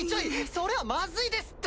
それはまずいですって！